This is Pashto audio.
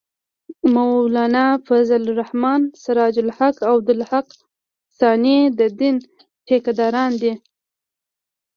مولانا فضل الرحمن ، سراج الحق او عبدالحق ثاني د دین ټېکه داران دي